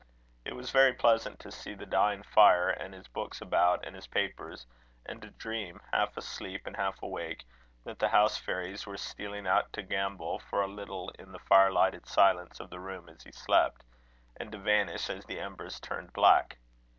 It was very pleasant to see the dying fire, and his books about and his papers; and to dream, half asleep and half awake, that the house fairies were stealing out to gambol for a little in the fire lighted silence of the room as he slept, and to vanish as the embers turned black.